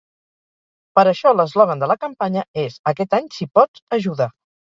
Per això l’eslògan de la campanya és “Aquest any, si pots, ajuda”.